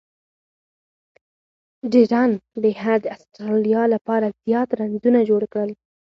ډیرن لیهر د اسټرالیا له پاره زیات رنزونه جوړ کړل.